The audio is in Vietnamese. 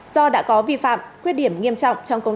do đã có một đối tượng đối với ông trần văn dũng